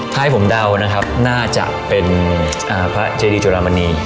ถ้าให้ผมเดานะครับน่าจะเป็นพระเจดีจุรามณี